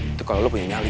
itu kalau lo punya nyali